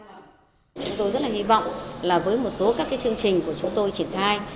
chúng tôi rất là hy vọng là với một số các chương trình của chúng tôi triển khai